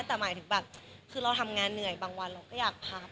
แต่หมายถึงแบบคือเราทำงานเหนื่อยบางวันเราก็อยากพัก